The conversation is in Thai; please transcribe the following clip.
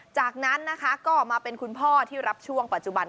จากนั้นนะคะก็มาเป็นคุณพ่อที่รับช่วงปัจจุบัน